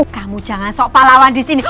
kamu jangan sok palawan di sini